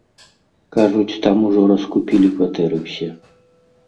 Кажуць, там ужо раскупілі кватэры ўсе.